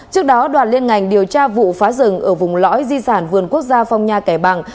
trước đó đoàn liên ngành điều tra vụ phá rừng ở vùng lõi di sản vườn quốc gia phong nha kẻ bàng